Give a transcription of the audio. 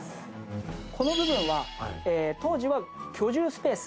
この部分は当時は居住スペース。